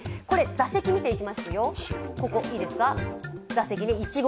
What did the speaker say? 座席見ていきますよ。